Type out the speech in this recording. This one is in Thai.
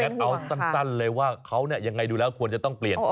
เอาสั้นเลยว่าเขาเนี่ยยังไงดูแล้วควรจะต้องเปลี่ยน